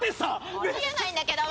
あり得ないんだけど。